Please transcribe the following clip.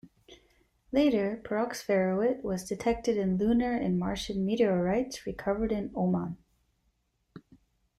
Later, pyroxferroite was detected in Lunar and Martian meteorites recovered in Oman.